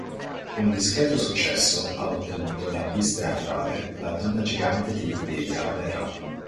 Un discreto successo ha ottenuto la pièce teatrale "La donna gigante" di Lidia Ravera.